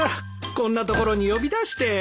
こんな所に呼び出して。